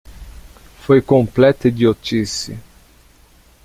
Foi completa idiotice.